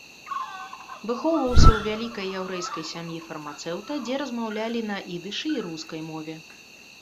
Выхоўваўся ў вялікай яўрэйскай сям'і фармацэўта, дзе размаўлялі на ідышы і рускай мове.